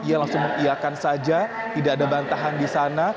ia langsung mengiakan saja tidak ada bantahan di sana